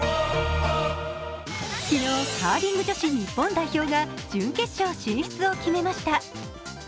昨日、カーリング女子日本代表が準決勝進出を決めました。